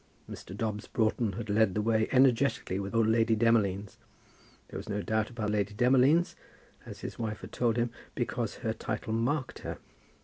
Mr. Dobbs Broughton had led the way energetically with old Lady Demolines. There was no doubt about Lady Demolines, as his wife had told him, because her title marked her.